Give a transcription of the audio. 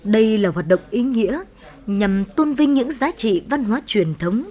đây là hoạt động ý nghĩa nhằm tôn vinh những giá trị văn hóa truyền thống